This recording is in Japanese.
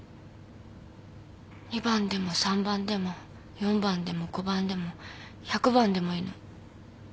２番でも３番でも４番でも５番でも１００番でもいいの。